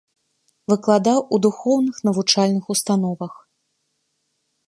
Выкладаў у духоўных навучальных установах.